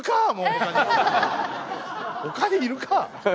他にいるか！